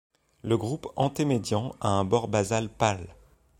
Le groupe antemedian a un bord basale pâle.